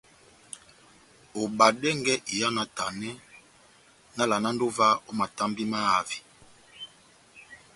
Obadɛngɛ iha náhtanɛ, nahávalanandi ová ó matambi mahavi.